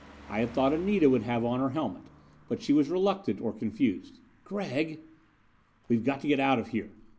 I had thought Anita would have on her helmet. But she was reluctant, or confused. "Gregg." "We've got to get out of here!